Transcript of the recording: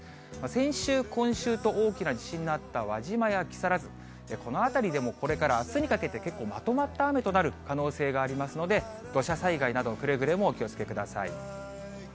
先週、今週と大きな地震のあった輪島や木更津、この辺りでもこれからあすにかけて、結構まとまった雨となる可能性がありますので、土砂災害など、くれぐれもお気をつけください。